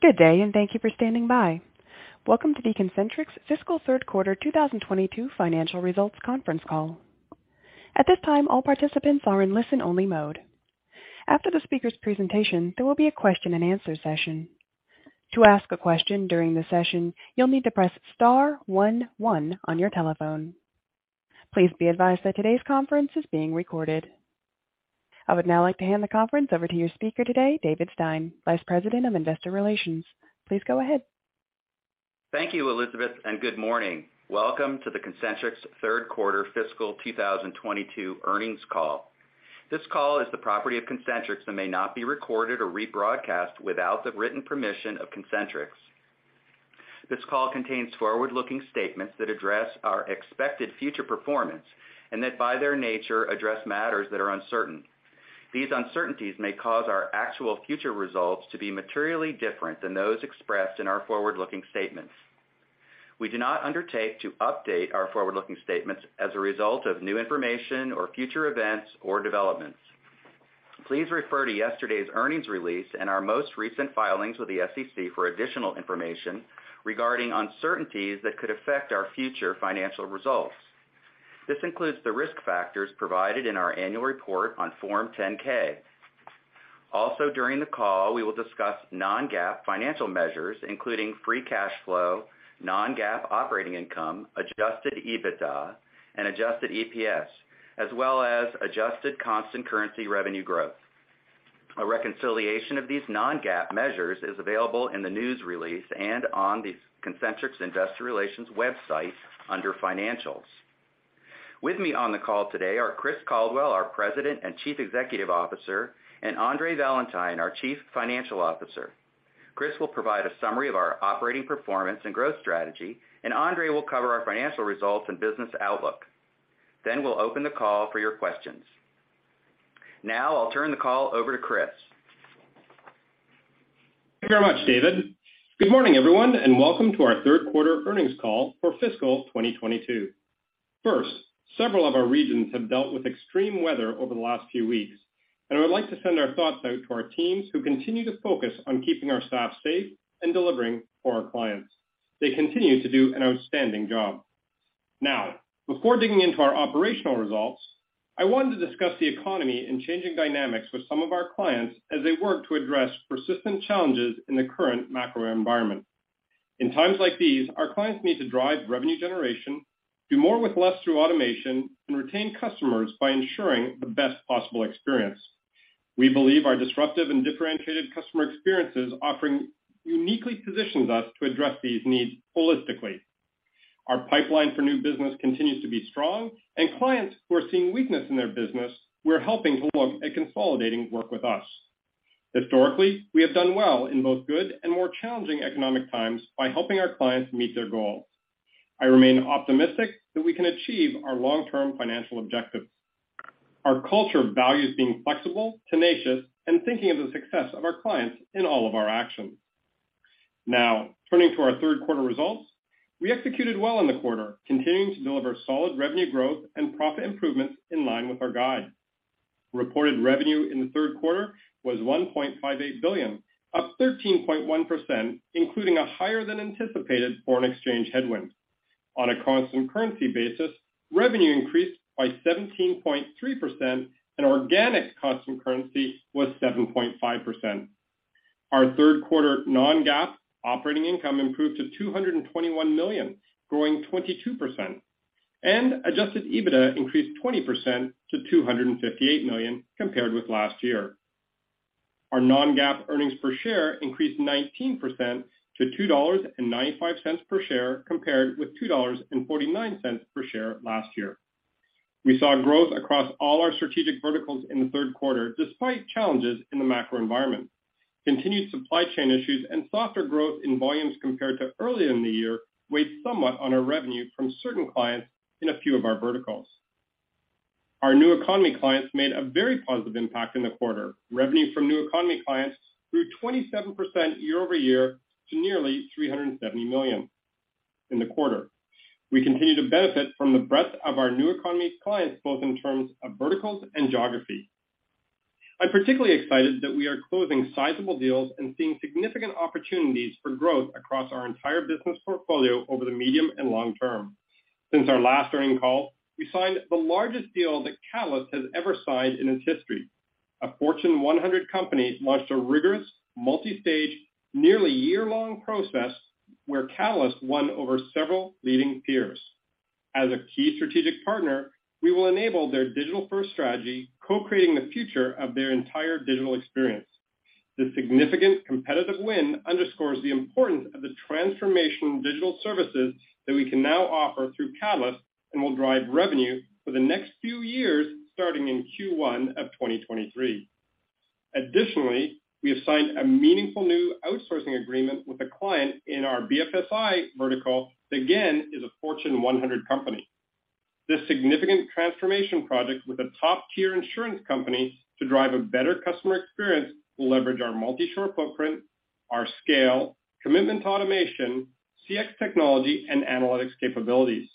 Good day, and thank you for standing by. Welcome to the Concentrix Fiscal Third Quarter 2022 Financial Results Conference Call. At this time, all participants are in listen-only mode. After the speaker's presentation, there will be a question-and-answer session. To ask a question during the session, you'll need to press star one one on your telephone. Please be advised that today's conference is being recorded. I would now like to hand the conference over to your speaker today, David Stein, Vice President of Investor Relations. Please go ahead. Thank you, Elizabeth, and good morning. Welcome to the Concentrix third quarter fiscal 2022 earnings call. This call is the property of Concentrix and may not be recorded or rebroadcast without the written permission of Concentrix. This call contains forward-looking statements that address our expected future performance and that, by their nature, address matters that are uncertain. These uncertainties may cause our actual future results to be materially different than those expressed in our forward-looking statements. We do not undertake to update our forward-looking statements as a result of new information or future events or developments. Please refer to yesterday's earnings release and our most recent filings with the SEC for additional information regarding uncertainties that could affect our future financial results. This includes the risk factors provided in our annual report on Form 10-K. Also, during the call, we will discuss non-GAAP financial measures, including free cash flow, non-GAAP operating income, adjusted EBITDA, and adjusted EPS, as well as adjusted constant currency revenue growth. A reconciliation of these non-GAAP measures is available in the news release and on the Concentrix Investor Relations website under Financials. With me on the call today are Chris Caldwell, our President and Chief Executive Officer, and Andre Valentine, our Chief Financial Officer. Chris will provide a summary of our operating performance and growth strategy, and Andre will cover our financial results and business outlook. Then we'll open the call for your questions. Now I'll turn the call over to Chris. Thank you very much, David. Good morning, everyone, and welcome to our third quarter earnings call for fiscal 2022. First, several of our regions have dealt with extreme weather over the last few weeks, and I would like to send our thoughts out to our teams who continue to focus on keeping our staff safe and delivering for our clients. They continue to do an outstanding job. Now, before digging into our operational results, I wanted to discuss the economy and changing dynamics with some of our clients as they work to address persistent challenges in the current macro environment. In times like these, our clients need to drive revenue generation, do more with less through automation, and retain customers by ensuring the best possible experience. We believe our disruptive and differentiated customer experiences offering uniquely positions us to address these needs holistically. Our pipeline for new business continues to be strong, and clients who are seeing weakness in their business, we're helping to look at consolidating work with us. Historically, we have done well in both good and more challenging economic times by helping our clients meet their goals. I remain optimistic that we can achieve our long-term financial objectives. Our culture values being flexible, tenacious, and thinking of the success of our clients in all of our actions. Now, turning to our third quarter results, we executed well in the quarter, continuing to deliver solid revenue growth and profit improvements in line with our guide. Reported revenue in the third quarter was $1.58 billion, up 13.1%, including a higher than anticipated foreign exchange headwind. On a constant currency basis, revenue increased by 17.3% and organic constant currency was 7.5%. Our third quarter non-GAAP operating income improved to $221 million, growing 22%, and adjusted EBITDA increased 20% to $258 million compared with last year. Our non-GAAP earnings per share increased 19% to $2.95 per share compared with $2.49 per share last year. We saw growth across all our strategic verticals in the third quarter despite challenges in the macro environment. Continued supply chain issues and softer growth in volumes compared to earlier in the year weighed somewhat on our revenue from certain clients in a few of our verticals. Our new economy clients made a very positive impact in the quarter. Revenue from new economy clients grew 27% year-over-year to nearly $370 million in the quarter. We continue to benefit from the breadth of our new economy clients, both in terms of verticals and geography. I'm particularly excited that we are closing sizable deals and seeing significant opportunities for growth across our entire business portfolio over the medium- and long-term. Since our last earnings call, we signed the largest deal that Catalyst has ever signed in its history. A Fortune 100 company launched a rigorous, multi-stage, nearly year-long process where Catalyst won over several leading peers. As a key strategic partner, we will enable their digital-first strategy, co-creating the future of their entire digital experience. This significant competitive win underscores the importance of the transformational digital services that we can now offer through Catalyst and will drive revenue for the next few years, starting in Q1 of 2023. Additionally, we have signed a meaningful new outsourcing agreement with a client in our BFSI vertical that again is a Fortune 100 company. This significant transformation project with a top-tier insurance company to drive a better customer experience will leverage our multi-shore footprint, our scale, commitment to automation, CX technology, and analytics capabilities.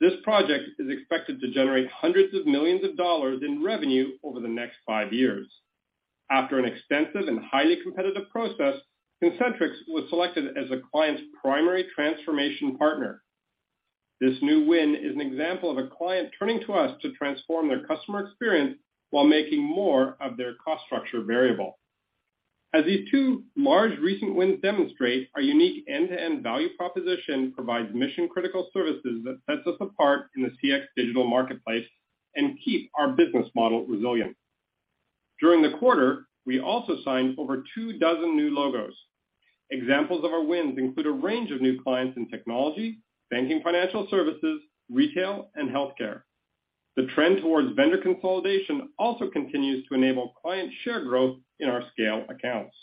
This project is expected to generate hundreds of millions of dollars in revenue over the next five years. After an extensive and highly competitive process, Concentrix was selected as the client's primary transformation partner. This new win is an example of a client turning to us to transform their customer experience while making more of their cost structure variable. As these two large recent wins demonstrate, our unique end-to-end value proposition provides mission-critical services that sets us apart in the CX digital marketplace and keep our business model resilient. During the quarter, we also signed over two dozen new logos. Examples of our wins include a range of new clients in technology, banking, financial services, retail, and healthcare. The trend towards vendor consolidation also continues to enable client share growth in our scale accounts.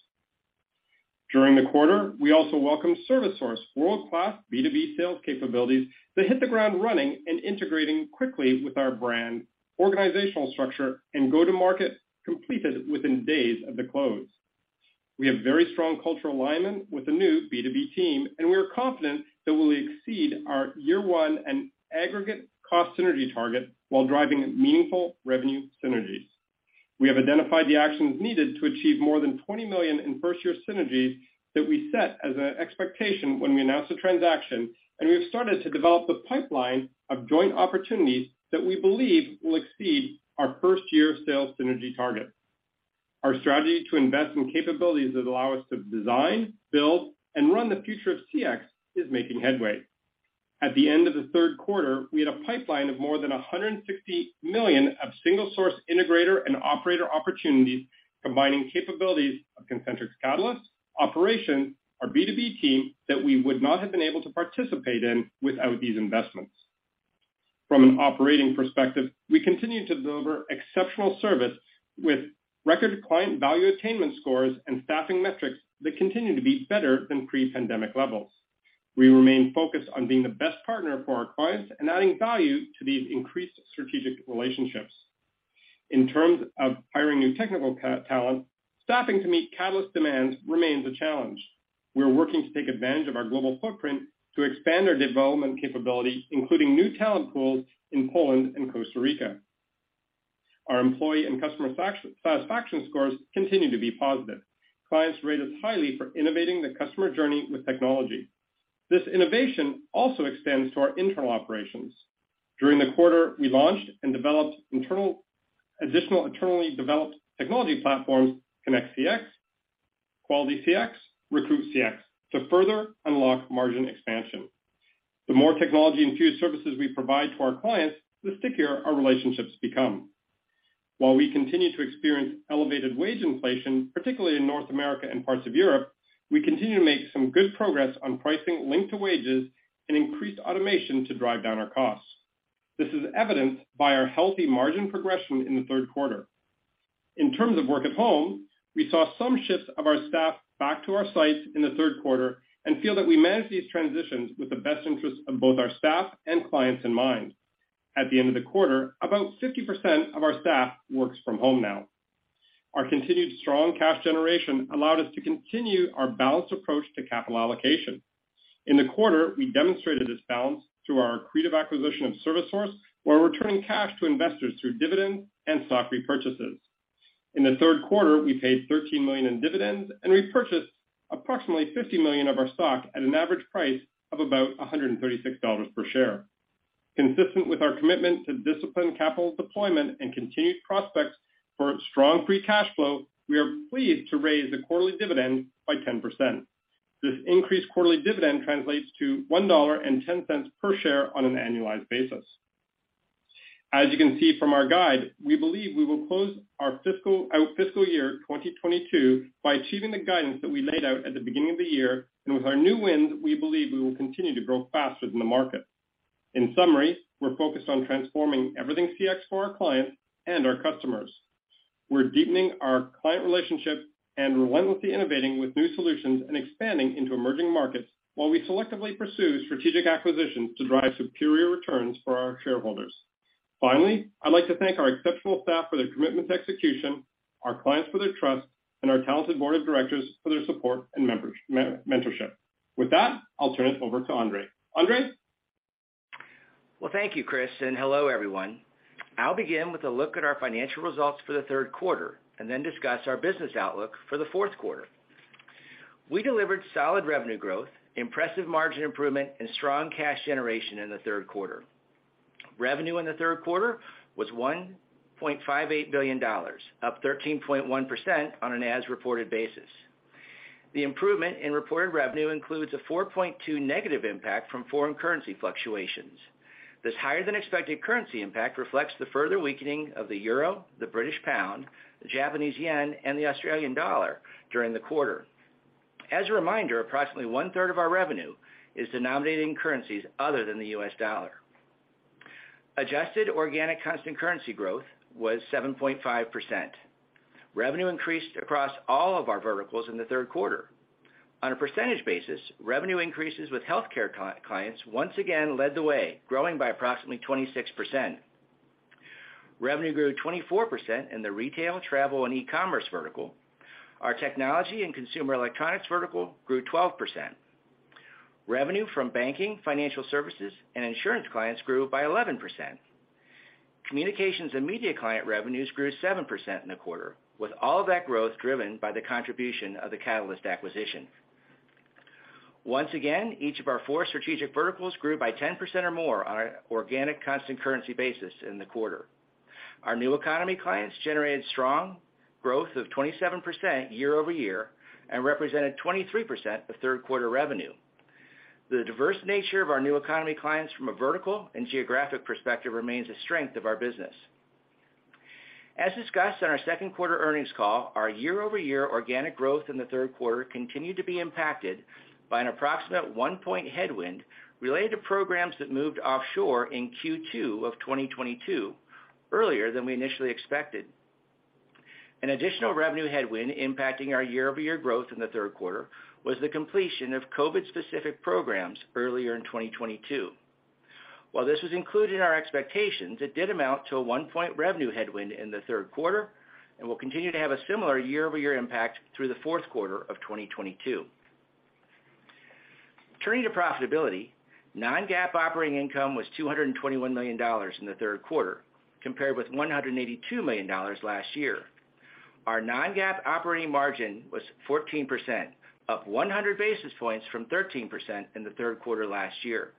During the quarter, we also welcomed ServiceSource world-class B2B sales capabilities that hit the ground running and integrating quickly with our broad organizational structure and go-to-market completed within days of the close. We have very strong cultural alignment with the new B2B team, and we are confident that we'll exceed our year-one and aggregate cost synergy target while driving meaningful revenue synergies. We have identified the actions needed to achieve more than $20 million in first-year synergies that we set as an expectation when we announced the transaction, and we have started to develop a pipeline of joint opportunities that we believe will exceed our first-year sales synergy target. Our strategy to invest in capabilities that allow us to design, build, and run the future of CX is making headway. At the end of the third quarter, we had a pipeline of more than $160 million of single-source integrator and operator opportunities, combining capabilities of Concentrix Catalyst operations, our B2B team that we would not have been able to participate in without these investments. From an operating perspective, we continue to deliver exceptional service with record client value attainment scores and staffing metrics that continue to be better than pre-pandemic levels. We remain focused on being the best partner for our clients and adding value to these increased strategic relationships. In terms of hiring new technical talent, staffing to meet Catalyst demands remains a challenge. We are working to take advantage of our global footprint to expand our development capabilities, including new talent pools in Poland and Costa Rica. Our employee and customer satisfaction scores continue to be positive. Clients rate us highly for innovating the customer journey with technology. This innovation also extends to our internal operations. During the quarter, we launched and developed additional internally developed technology platforms, ConnectCX, QualityCX, RecruitCX, to further unlock margin expansion. The more technology-infused services we provide to our clients, the stickier our relationships become. While we continue to experience elevated wage inflation, particularly in North America and parts of Europe, we continue to make some good progress on pricing linked to wages and increased automation to drive down our costs. This is evidenced by our healthy margin progression in the third quarter. In terms of work at home, we saw some shifts of our staff back to our sites in the third quarter and feel that we managed these transitions with the best interest of both our staff and clients in mind. At the end of the quarter, about 50% of our staff works from home now. Our continued strong cash generation allowed us to continue our balanced approach to capital allocation. In the quarter, we demonstrated this balance through our accretive acquisition of ServiceSource, where we're returning cash to investors through dividends and stock repurchases. In the third quarter, we paid $13 million in dividends and repurchased approximately $50 million of our stock at an average price of about $136 per share. Consistent with our commitment to disciplined capital deployment and continued prospects for strong free cash flow, we are pleased to raise the quarterly dividend by 10%. This increased quarterly dividend translates to $1.10 per share on an annualized basis. As you can see from our guide, we believe we will close our fiscal year 2022 by achieving the guidance that we laid out at the beginning of the year. With our new wins, we believe we will continue to grow faster than the market. In summary, we're focused on transforming everything CX for our clients and our customers. We're deepening our client relationships and relentlessly innovating with new solutions and expanding into emerging markets while we selectively pursue strategic acquisitions to drive superior returns for our shareholders. Finally, I'd like to thank our exceptional staff for their commitment to execution, our clients for their trust, and our talented board of directors for their support and mentorship. With that, I'll turn it over to Andre. Andre? Well, thank you, Chris, and hello, everyone. I'll begin with a look at our financial results for the third quarter and then discuss our business outlook for the fourth quarter. We delivered solid revenue growth, impressive margin improvement, and strong cash generation in the third quarter. Revenue in the third quarter was $1.58 billion, up 13.1% on an as-reported basis. The improvement in reported revenue includes a -4.2% impact from foreign currency fluctuations. This higher-than-expected currency impact reflects the further weakening of the euro, the British pound, the Japanese yen, and the Australian dollar during the quarter. As a reminder, approximately one-third of our revenue is denominated in currencies other than the U.S. dollar. Adjusted organic constant currency growth was 7.5%. Revenue increased across all of our verticals in the third quarter. On a percentage basis, revenue increases with healthcare clients once again led the way, growing by approximately 26%. Revenue grew 24% in the retail, travel, and e-commerce vertical. Our technology and consumer electronics vertical grew 12%. Revenue from banking, financial services, and insurance clients grew by 11%. Communications and media client revenues grew 7% in the quarter, with all of that growth driven by the contribution of the Catalyst acquisition. Once again, each of our four strategic verticals grew by 10% or more on our organic constant currency basis in the quarter. Our new economy clients generated strong growth of 27% year-over-year and represented 23% of third quarter revenue. The diverse nature of our new economy clients from a vertical and geographic perspective remains a strength of our business. As discussed on our second quarter earnings call, our year-over-year organic growth in the third quarter continued to be impacted by an approximate 1-point headwind related to programs that moved offshore in Q2 of 2022, earlier than we initially expected. An additional revenue headwind impacting our year-over-year growth in the third quarter was the completion of COVID-specific programs earlier in 2022. While this was included in our expectations, it did amount to a 1-point revenue headwind in the third quarter and will continue to have a similar year-over-year impact through the fourth quarter of 2022. Turning to profitability, non-GAAP operating income was $221 million in the third quarter compared with $182 million last year. Our non-GAAP operating margin was 14%, up 100 basis points from 13% in the third quarter last year.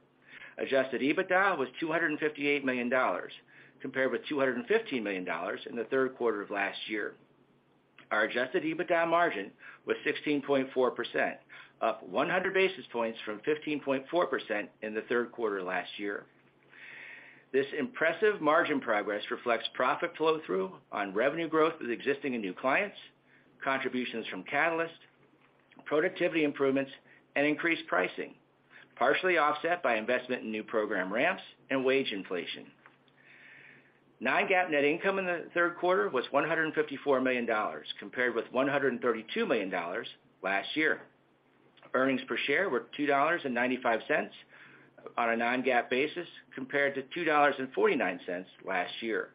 Adjusted EBITDA was $258 million compared with $215 million in the third quarter of last year. Our adjusted EBITDA margin was 16.4%, up 100 basis points from 15.4% in the third quarter last year. This impressive margin progress reflects profit flow-through on revenue growth with existing and new clients, contributions from Catalyst, productivity improvements, and increased pricing, partially offset by investment in new program ramps and wage inflation. Non-GAAP net income in the third quarter was $154 million compared with $132 million last year. Earnings per share were $2.95 on a non-GAAP basis compared to $2.49 last year.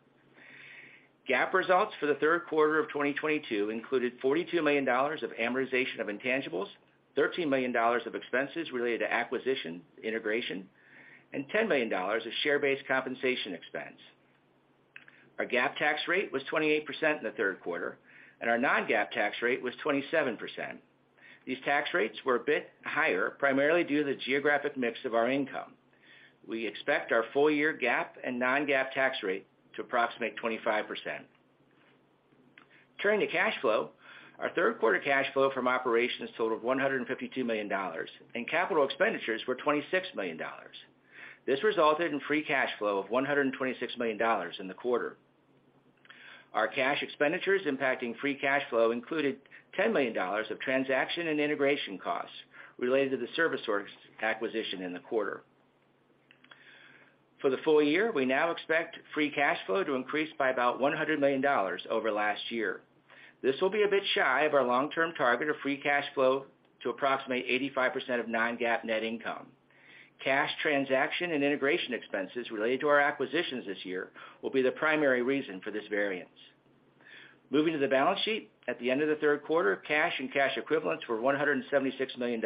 GAAP results for the third quarter of 2022 included $42 million of amortization of intangibles, $13 million of expenses related to acquisition integration, and $10 million of share-based compensation expense. Our GAAP tax rate was 28% in the third quarter, and our non-GAAP tax rate was 27%. These tax rates were a bit higher, primarily due to the geographic mix of our income. We expect our full year GAAP and non-GAAP tax rate to approximate 25%. Turning to cash flow, our third quarter cash flow from operations totaled $152 million, and capital expenditures were $26 million. This resulted in free cash flow of $126 million in the quarter. Our cash expenditures impacting free cash flow included $10 million of transaction and integration costs related to the ServiceSource acquisition in the quarter. For the full year, we now expect free cash flow to increase by about $100 million over last year. This will be a bit shy of our long-term target of free cash flow to approximate 85% of non-GAAP net income. Cash transaction and integration expenses related to our acquisitions this year will be the primary reason for this variance. Moving to the balance sheet, at the end of the third quarter, cash and cash equivalents were $176 million,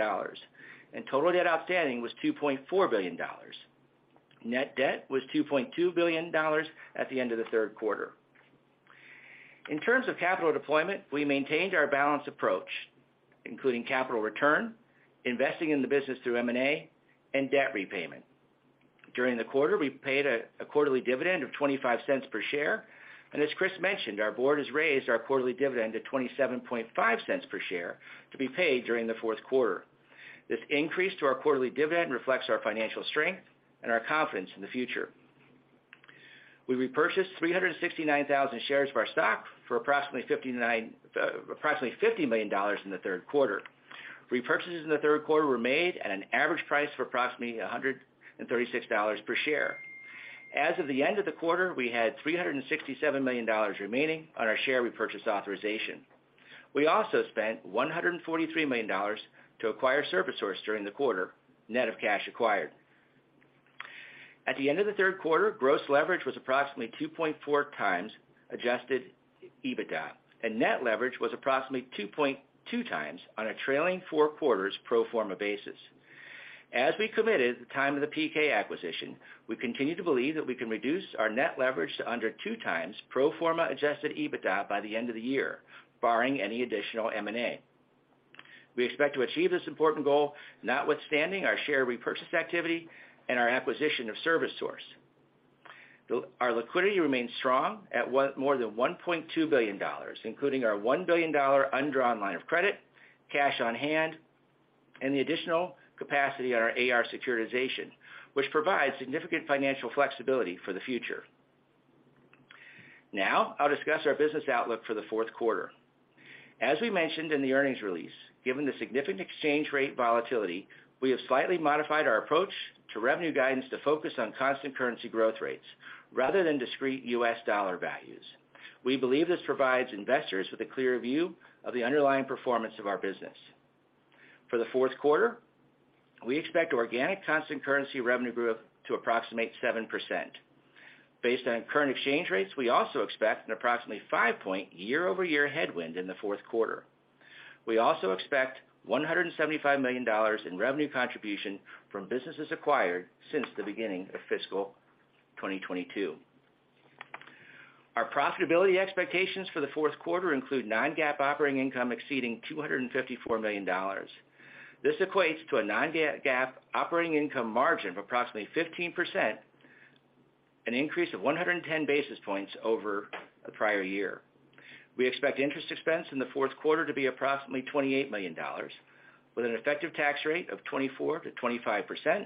and total debt outstanding was $2.4 billion. Net debt was $2.2 billion at the end of the third quarter. In terms of capital deployment, we maintained our balanced approach, including capital return, investing in the business through M&A, and debt repayment. During the quarter, we paid a quarterly dividend of $0.25 per share. As Chris mentioned, our board has raised our quarterly dividend to $0.275 per share to be paid during the fourth quarter. This increase to our quarterly dividend reflects our financial strength and our confidence in the future. We repurchased 369,000 shares of our stock for approximately $50 million in the third quarter. Repurchases in the third quarter were made at an average price of approximately $136 per share. As of the end of the quarter, we had $367 million remaining on our share repurchase authorization. We also spent $143 million to acquire ServiceSource during the quarter, net of cash acquired. At the end of the third quarter, gross leverage was approximately 2.4x adjusted EBITDA, and net leverage was approximately 2.2x on a trailing four quarters pro forma basis. As we committed at the time of the PK acquisition, we continue to believe that we can reduce our net leverage to under 2x pro forma adjusted EBITDA by the end of the year, barring any additional M&A. We expect to achieve this important goal notwithstanding our share repurchase activity and our acquisition of ServiceSource. Our liquidity remains strong at more than $1.2 billion, including our $1 billion undrawn line of credit, cash on hand, and the additional capacity on our AR securitization, which provides significant financial flexibility for the future. Now, I'll discuss our business outlook for the fourth quarter. As we mentioned in the earnings release, given the significant exchange rate volatility, we have slightly modified our approach to revenue guidance to focus on constant currency growth rates rather than discrete U.S. dollar values. We believe this provides investors with a clearer view of the underlying performance of our business. For the fourth quarter, we expect organic constant currency revenue growth to approximate 7%. Based on current exchange rates, we also expect an approximately 5-point year-over-year headwind in the fourth quarter. We also expect $175 million in revenue contribution from businesses acquired since the beginning of fiscal 2022. Our profitability expectations for the fourth quarter include non-GAAP operating income exceeding $254 million. This equates to a non-GAAP operating income margin of approximately 15%, an increase of 110 basis points over the prior year. We expect interest expense in the fourth quarter to be approximately $28 million, with an effective tax rate of 24%-25%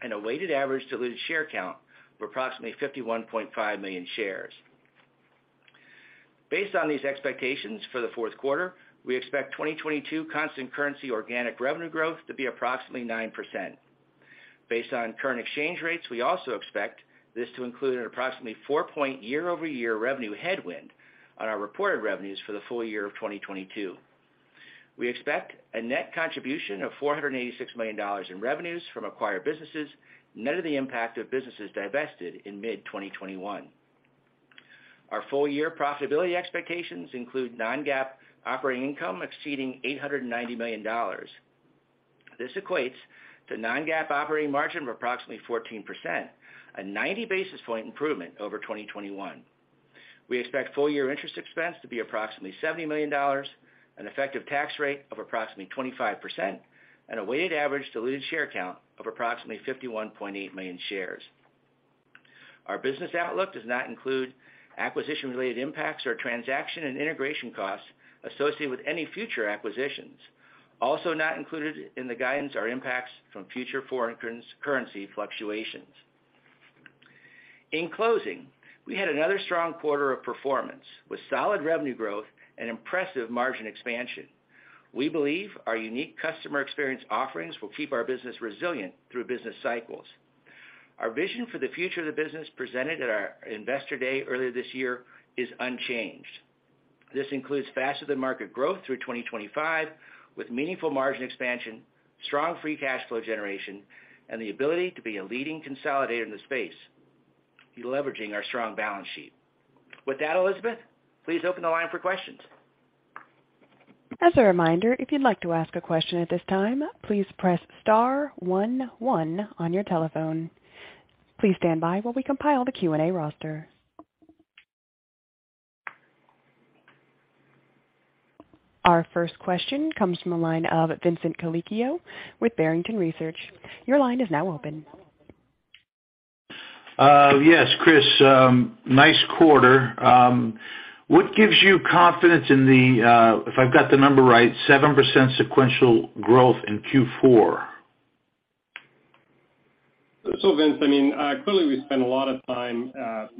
and a weighted average diluted share count of approximately 51.5 million shares. Based on these expectations for the fourth quarter, we expect 2022 constant currency organic revenue growth to be approximately 9%. Based on current exchange rates, we also expect this to include an approximately 4-point year-over-year revenue headwind on our reported revenues for the full year of 2022. We expect a net contribution of $486 million in revenues from acquired businesses, net of the impact of businesses divested in mid-2021. Our full-year profitability expectations include non-GAAP operating income exceeding $890 million. This equates to non-GAAP operating margin of approximately 14%, a 90 basis point improvement over 2021. We expect full-year interest expense to be approximately $70 million, an effective tax rate of approximately 25%, and a weighted average diluted share count of approximately 51.8 million shares. Our business outlook does not include acquisition-related impacts or transaction and integration costs associated with any future acquisitions. Also not included in the guidance are impacts from future foreign currency fluctuations. In closing, we had another strong quarter of performance with solid revenue growth and impressive margin expansion. We believe our unique customer experience offerings will keep our business resilient through business cycles. Our vision for the future of the business presented at our investor day earlier this year is unchanged. This includes faster than market growth through 2025 with meaningful margin expansion, strong free cash flow generation, and the ability to be a leading consolidator in the space, deleveraging our strong balance sheet. With that, Elizabeth, please open the line for questions. As a reminder, if you'd like to ask a question at this time, please press star one one on your telephone. Please stand by while we compile the Q&A roster. Our first question comes from the line of Vincent Colicchio with Barrington Research. Your line is now open. Yes, Chris, nice quarter. What gives you confidence in the, if I've got the number right, 7% sequential growth in Q4? Vince, I mean, clearly we spend a lot of time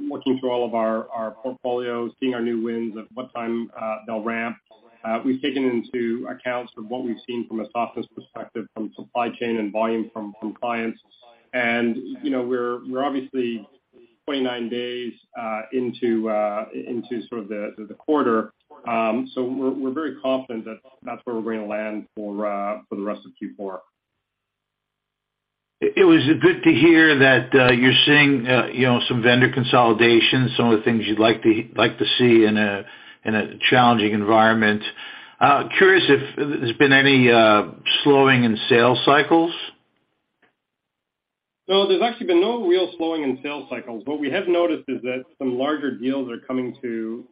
working through all of our portfolios, seeing our new wins and what time they'll ramp. We've taken into account from what we've seen from a softness perspective from supply chain and volume from clients. You know, we're obviously 29 days into sort of the quarter. We're very confident that that's where we're going to land for the rest of Q4. It was good to hear that, you're seeing, you know, some vendor consolidation, some of the things you'd like to, like to see in a, in a challenging environment. Curious if there's been any slowing in sales cycles? No, there's actually been no real slowing in sales cycles. What we have noticed is that some larger deals are coming to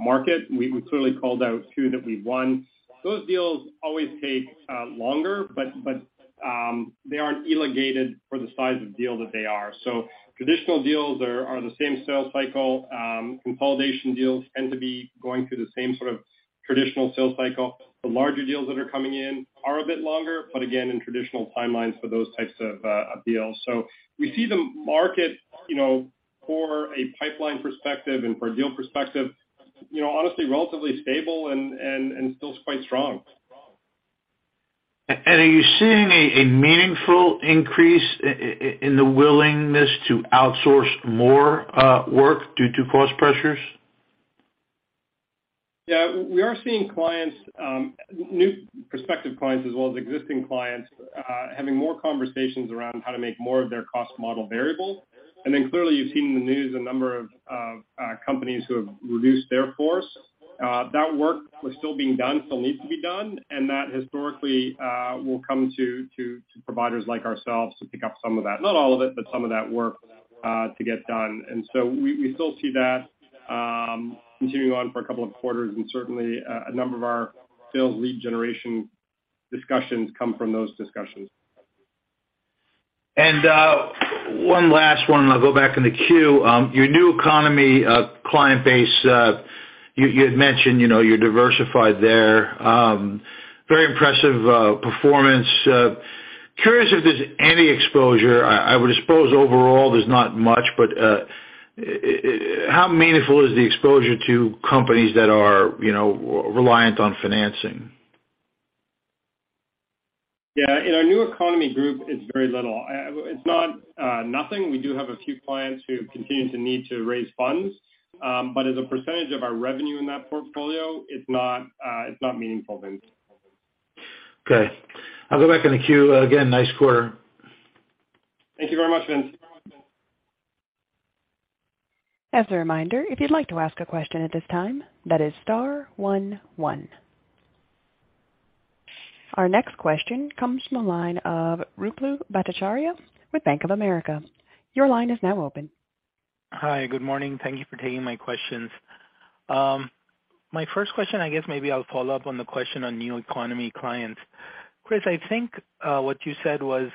market. We clearly called out two that we won. Those deals always take longer, but they aren't elongated for the size of deal that they are. Traditional deals are the same sales cycle. Consolidation deals tend to be going through the same sort of traditional sales cycle. The larger deals that are coming in are a bit longer, but again, in traditional timelines for those types of deals. We see the market, you know, for a pipeline perspective and for a deal perspective, you know, honestly, relatively stable and still quite strong. Are you seeing a meaningful increase in the willingness to outsource more work due to cost pressures? Yeah. We are seeing clients, new prospective clients as well as existing clients, having more conversations around how to make more of their cost model variable. Clearly, you've seen in the news a number of companies who have reduced their workforce. That work was still being done, still needs to be done, and that historically will come to providers like ourselves to pick up some of that. Not all of it, but some of that work to get done. We still see that continuing on for a couple of quarters, and certainly, a number of our sales lead generation discussions come from those discussions. One last one, and I'll go back in the queue. Your new economy client base, you had mentioned, you know, you're diversified there. Very impressive performance. Curious if there's any exposure. I would suppose overall there's not much, but how meaningful is the exposure to companies that are, you know, reliant on financing? Yeah, in our new economy group, it's very little. It's not nothing. We do have a few clients who continue to need to raise funds. As a percentage of our revenue in that portfolio, it's not meaningful, Vince. Okay. I'll go back in the queue. Again, nice quarter. Thank you very much, Vince. As a reminder, if you'd like to ask a question at this time, that is star one one. Our next question comes from the line of Ruplu Bhattacharya with Bank of America. Your line is now open. Hi, good morning. Thank you for taking my questions. My first question, I guess maybe I'll follow up on the question on new economy clients. Chris, I think what you said was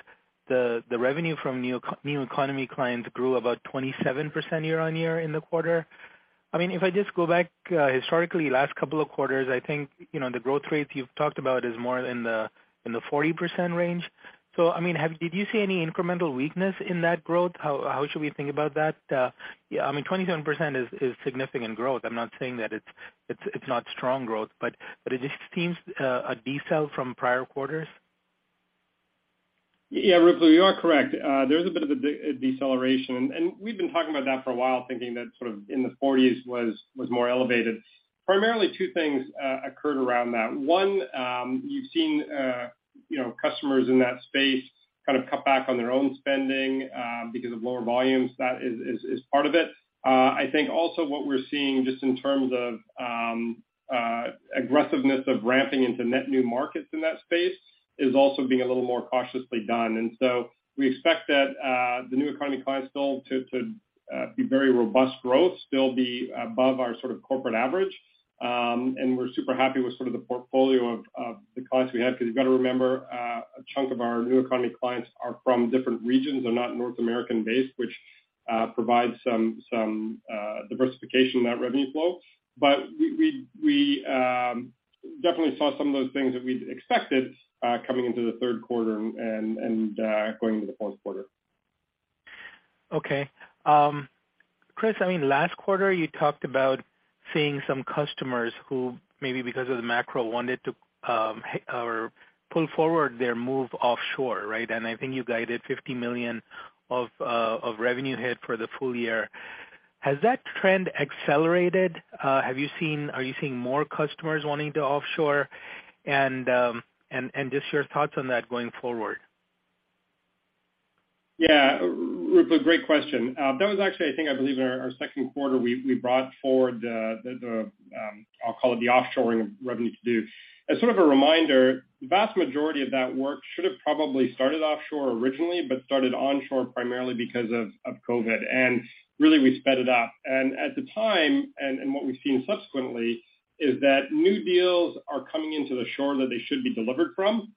the revenue from new economy clients grew about 27% year-over-year in the quarter. I mean, if I just go back historically last couple of quarters, I think, you know, the growth rates you've talked about is more in the 40% range. I mean, did you see any incremental weakness in that growth? How should we think about that? Yeah, I mean, 27% is significant growth. I'm not saying that it's not strong growth, but it just seems a decel from prior quarters. Yeah, Ruplu, you are correct. There's a bit of a deceleration, and we've been talking about that for a while, thinking that sort of in the forties was more elevated. Primarily, two things occurred around that. One, you've seen, you know, customers in that space kind of cut back on their own spending because of lower volumes. That is part of it. I think also what we're seeing just in terms of aggressiveness of ramping into net new markets in that space is also being a little more cautiously done. We expect that the new economy clients still to be very robust growth, still be above our sort of corporate average. We're super happy with sort of the portfolio of the clients we have, 'cause you've got to remember, a chunk of our new economy clients are from different regions. They're not North American-based, which provides some diversification in that revenue flow. We definitely saw some of those things that we'd expected, coming into the third quarter and going into the fourth quarter. Okay. Chris, I mean, last quarter, you talked about seeing some customers who maybe because of the macro wanted to or pull forward their move offshore, right? I think you guided $50 million of revenue hit for the full year. Has that trend accelerated? Are you seeing more customers wanting to offshore? Just your thoughts on that going forward. Yeah, Ruplu, great question. That was actually, I think, I believe in our second quarter, we brought forward, I'll call it the offshoring of revenue to do. As sort of a reminder, the vast majority of that work should have probably started offshore originally, but started onshore primarily because of COVID. Really, we sped it up. At the time, what we've seen subsequently is that new deals are coming onshore that they should be delivered from,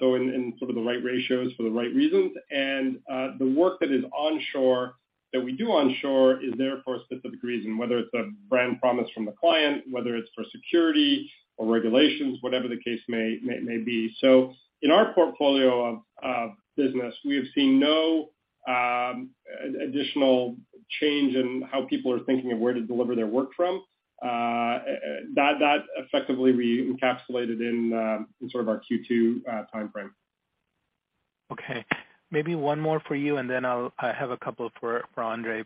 so in sort of the right ratios for the right reasons. The work that is onshore, that we do onshore is there for a specific reason, whether it's a brand promise from the client, whether it's for security or regulations, whatever the case may be. In our portfolio of business, we have seen no additional change in how people are thinking of where to deliver their work from. That effectively we encapsulated in sort of our Q2 timeframe. Okay, maybe one more for you, and then I have a couple for Andre.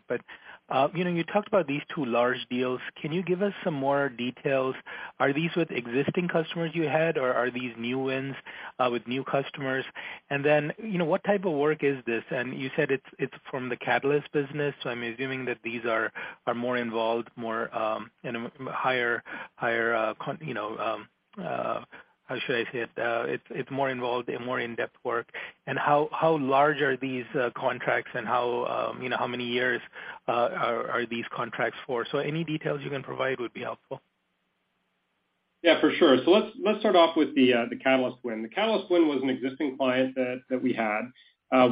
You know, you talked about these two large deals. Can you give us some more details? Are these with existing customers you had, or are these new wins with new customers? You know, what type of work is this? You said it's from the Catalyst business, so I'm assuming that these are more involved, more in a higher, you know, how should I say it? It's more involved and more in-depth work. How large are these contracts and how, you know, how many years are these contracts for? Any details you can provide would be helpful. Yeah, for sure. Let's start off with the Catalyst win. The Catalyst win was an existing client that we had.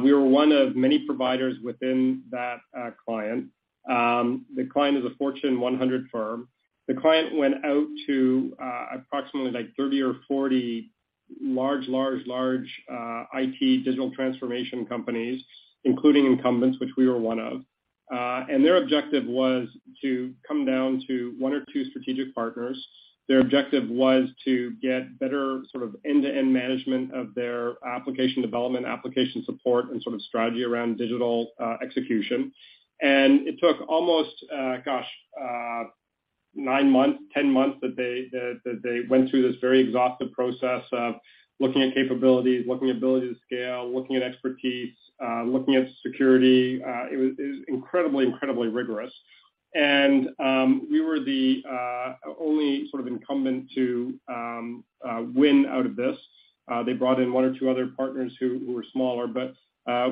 We were one of many providers within that client. The client is a Fortune 100 firm. The client went out to approximately like 30 or 40 large IT digital transformation companies, including incumbents, which we were one of. Their objective was to come down to one or two strategic partners. Their objective was to get better sort of end-to-end management of their application development, application support, and sort of strategy around digital execution. It took almost, gosh, nine months, 10 months that they went through this very exhaustive process of looking at capabilities, looking at ability to scale, looking at expertise, looking at security. It was incredibly rigorous. We were the only sort of incumbent to win out of this. They brought in one or two other partners who were smaller, but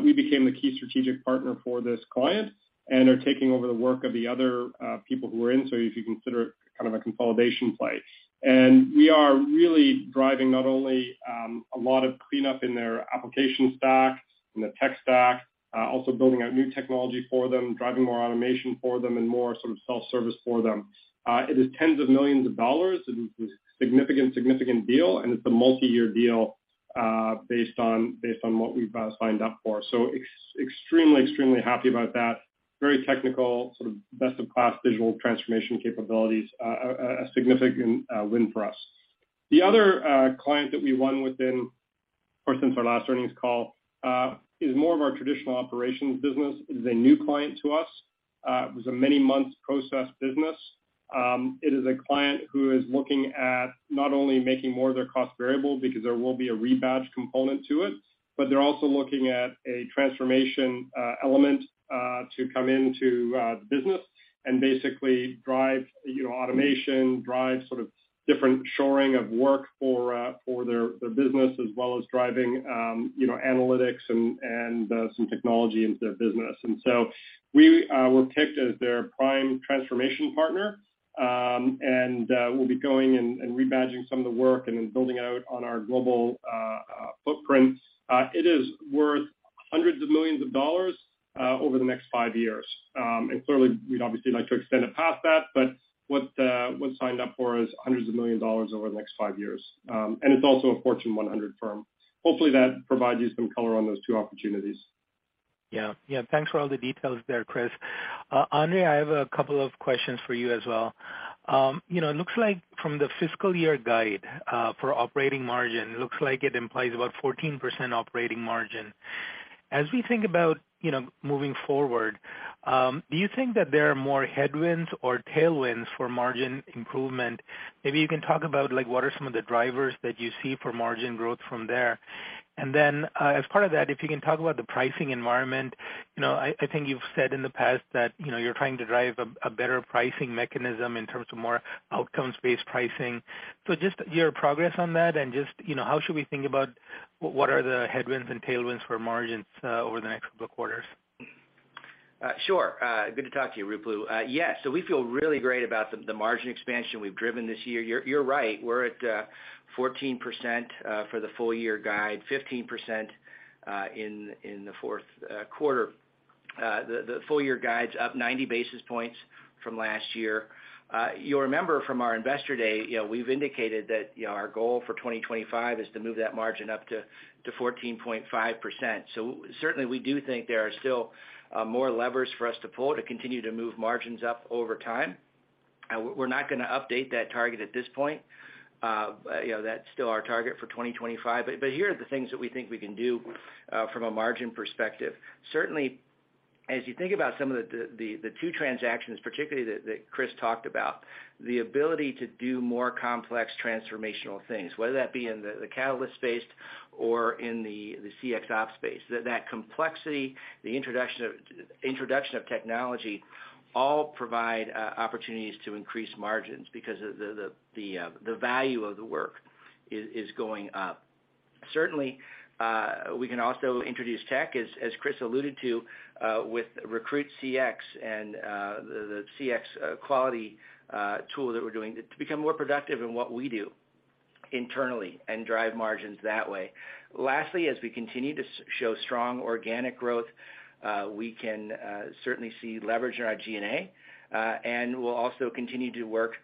we became the key strategic partner for this client and are taking over the work of the other people who were in. If you consider it kind of a consolidation play. We are really driving not only a lot of cleanup in their application stack, in the tech stack, also building out new technology for them, driving more automation for them and more sort of self-service for them. It is tens of millions of dollars. It is a significant deal, and it's a multi-year deal based on what we've signed up for. Extremely happy about that. Very technical, sort of best in class digital transformation capabilities, a significant win for us. The other client that we won or since our last earnings call is more of our traditional operations business. It is a new client to us. It was a many-month process business. It is a client who is looking at not only making more of their cost variable because there will be a rebadge component to it, but they're also looking at a transformation element to come into the business and basically drive, you know, automation, drive sort of different shoring of work for their business as well as driving, you know, analytics and some technology into their business. We were picked as their prime transformation partner, and we'll be going and rebadging some of the work and then building out on our global footprint. It is worth hundreds of millions of dollars over the next five years. Clearly we'd obviously like to extend it past that, but what's signed up for is hundreds of millions of dollars over the next five years. It's also a Fortune 100 firm. Hopefully, that provides you some color on those two opportunities. Yeah. Yeah, thanks for all the details there, Chris. Andre, I have a couple of questions for you as well. You know, looks like from the fiscal year guide for operating margin, looks like it implies about 14% operating margin. As we think about, you know, moving forward, do you think that there are more headwinds or tailwinds for margin improvement? Maybe you can talk about like what are some of the drivers that you see for margin growth from there. Then, as part of that, if you can talk about the pricing environment, you know, I think you've said in the past that, you know, you're trying to drive a better pricing mechanism in terms of more outcomes-based pricing. Just your progress on that and just, you know, how should we think about what are the headwinds and tailwinds for margins over the next couple of quarters? Sure. Good to talk to you, Ruplu. Yeah, so we feel really great about the margin expansion we've driven this year. You're right. We're at 14% for the full year guide, 15% in the fourth quarter. The full year guide's up 90 basis points from last year. You'll remember from our investor day, you know, we've indicated that, you know, our goal for 2025 is to move that margin up to 14.5%. Certainly we do think there are still more levers for us to pull to continue to move margins up over time. We're not gonna update that target at this point. You know, that's still our target for 2025. Here are the things that we think we can do from a margin perspective. Certainly, as you think about some of the two transactions particularly that Chris talked about, the ability to do more complex transformational things, whether that be in the Catalyst space or in the CX operations space. That complexity, the introduction of technology all provide opportunities to increase margins because the value of the work is going up. Certainly, we can also introduce tech as Chris alluded to, with RecruitCX and the QualityCX that we're doing to become more productive in what we do internally and drive margins that way. Lastly, as we continue to show strong organic growth, we can certainly see leverage in our G&A, and we'll also continue to work,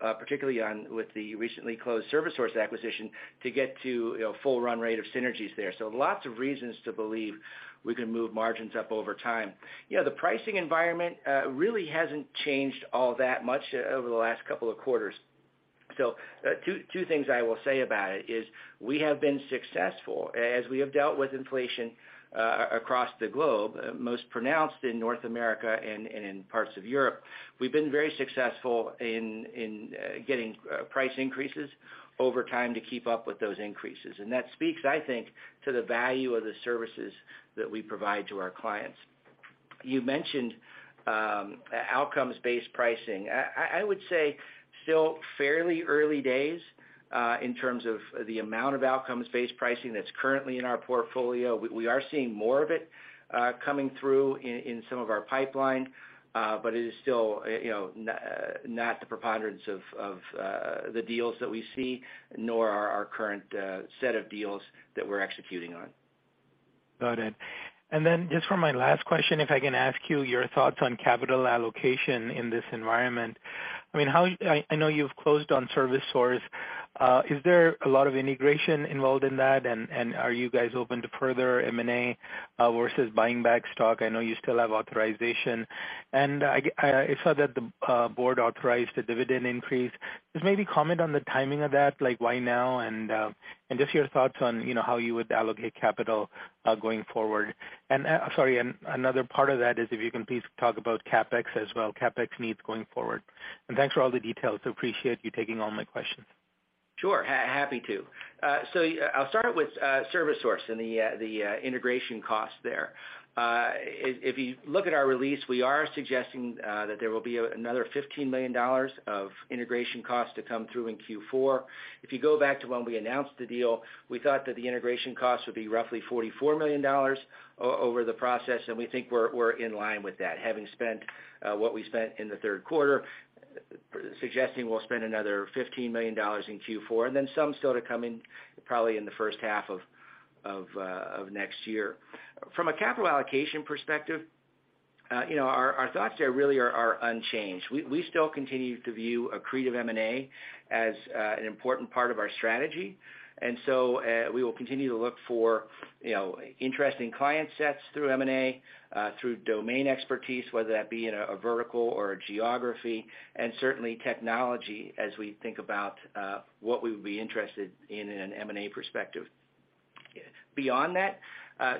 particularly on with the recently closed ServiceSource acquisition to get to, you know, full run rate of synergies there. Lots of reasons to believe we can move margins up over time. You know, the pricing environment really hasn't changed all that much over the last couple of quarters. Two things I will say about it is we have been successful as we have dealt with inflation across the globe, most pronounced in North America and in parts of Europe. We've been very successful in getting price increases over time to keep up with those increases. That speaks, I think, to the value of the services that we provide to our clients. You mentioned outcomes-based pricing. I would say still fairly early days in terms of the amount of outcomes-based pricing that's currently in our portfolio. We are seeing more of it coming through in some of our pipeline, but it is still, you know, not the preponderance of the deals that we see, nor are our current set of deals that we're executing on. Got it. Just for my last question, if I can ask you your thoughts on capital allocation in this environment. I mean, I know you've closed on ServiceSource. Is there a lot of integration involved in that? Are you guys open to further M&A versus buying back stock? I know you still have authorization. I saw that the board authorized a dividend increase. Just maybe comment on the timing of that, like why now, and just your thoughts on, you know, how you would allocate capital going forward. Another part of that is if you can please talk about CapEx as well, CapEx needs going forward. Thanks for all the details. Appreciate you taking all my questions. Sure. Happy to. I'll start out with ServiceSource and the integration cost there. If you look at our release, we are suggesting that there will be another $15 million of integration cost to come through in Q4. If you go back to when we announced the deal, we thought that the integration cost would be roughly $44 million over the process, and we think we're in line with that, having spent what we spent in the third quarter, suggesting we'll spend another $15 million in Q4, and then some still to come in probably in the first half of next year. From a capital allocation perspective, you know, our thoughts there really are unchanged. We still continue to view accretive M&A as an important part of our strategy. We will continue to look for, you know, interesting client sets through M&A through domain expertise, whether that be in a vertical or a geography, and certainly technology as we think about what we would be interested in in an M&A perspective. Beyond that,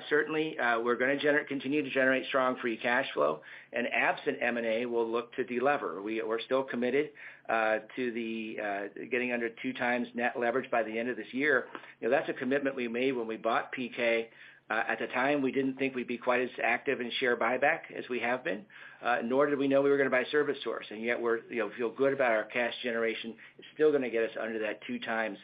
certainly, we're gonna continue to generate strong free cash flow, and absent M&A, we'll look to delever. We're still committed to the getting under 2x net leverage by the end of this year. You know, that's a commitment we made when we bought PK. At the time, we didn't think we'd be quite as active in share buyback as we have been, nor did we know we were gonna buy ServiceSource, and yet we're, you know, feel good about our cash generation. It's still gonna get us under that 2x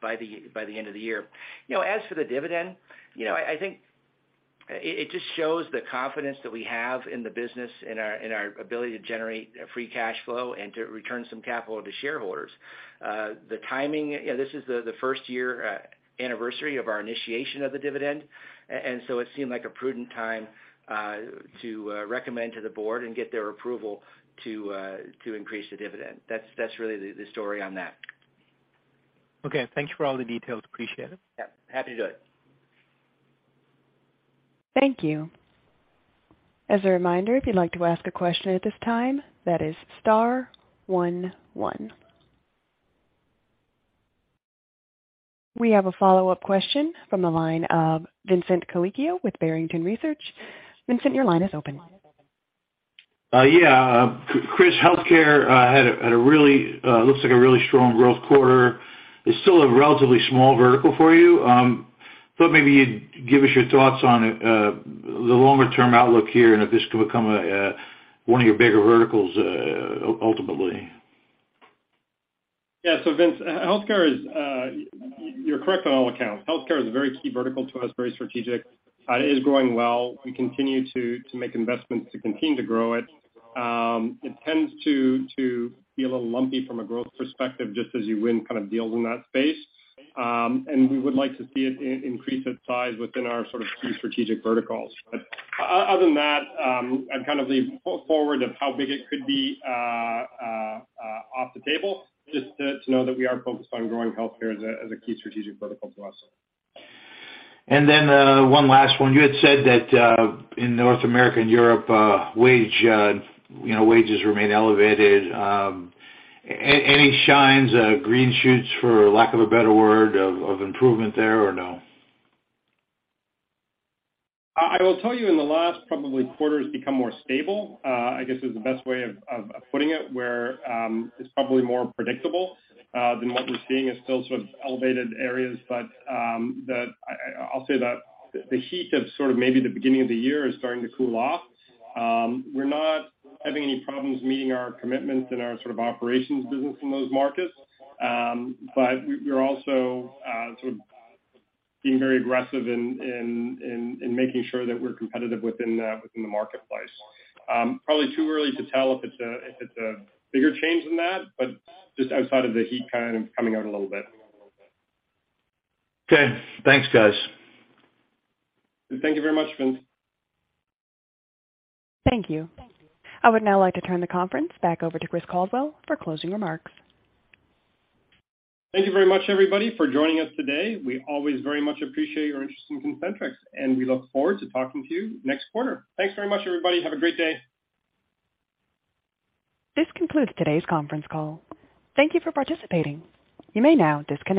by the end of the year. You know, as for the dividend, you know, I think it just shows the confidence that we have in the business, in our ability to generate free cash flow and to return some capital to shareholders. The timing, you know, this is the first year anniversary of our initiation of the dividend. It seemed like a prudent time to recommend to the board and get their approval to increase the dividend. That's really the story on that. Okay. Thank you for all the details. Appreciate it. Yeah, happy to do it. Thank you. As a reminder, if you'd like to ask a question at this time, that is star one one. We have a follow-up question from the line of Vincent Colicchio with Barrington Research. Vincent, your line is open. Yeah. Chris, healthcare had a really strong growth quarter, looks like. It's still a relatively small vertical for you. Thought maybe you'd give us your thoughts on the longer term outlook here and if this could become one of your bigger verticals ultimately. Yeah. Vince, healthcare is. You're correct on all accounts. Healthcare is a very key vertical to us, very strategic. It is growing well. We continue to make investments to continue to grow it. It tends to be a little lumpy from a growth perspective just as you win kind of deals in that space. We would like to see it increase its size within our sort of key strategic verticals. Other than that, I'd kind of leave pull forward of how big it could be off the table just to know that we are focused on growing healthcare as a key strategic vertical to us. One last one. You had said that in North America and Europe wages remain elevated. Any signs, green shoots, for lack of a better word, of improvement there or no? I will tell you in the last probably quarter it's become more stable. I guess is the best way of putting it, where it's probably more predictable than what we're seeing is still sort of elevated areas. I'll say that the heat of sort of maybe the beginning of the year is starting to cool off. We're not having any problems meeting our commitments and our sort of operations business in those markets. We're also sort of being very aggressive in making sure that we're competitive within the marketplace. Probably too early to tell if it's a bigger change than that, but just outside of the heat kind of coming out a little bit. Okay. Thanks, guys. Thank you very much, Vince. Thank you. I would now like to turn the conference back over to Chris Caldwell for closing remarks. Thank you very much, everybody, for joining us today. We always very much appreciate your interest in Concentrix, and we look forward to talking to you next quarter. Thanks very much, everybody. Have a great day. This concludes today's conference call. Thank you for participating. You may now disconnect.